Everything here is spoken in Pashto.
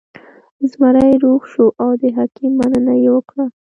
زمری روغ شو او د حکیم مننه یې وکړه.